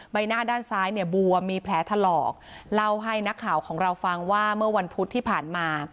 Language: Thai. ใบหน้าด้านซ้ายเนี่ยบวมมีแผลถลอกเล่าให้นักข่าวของเราฟังว่าเมื่อวันพุธที่ผ่านมา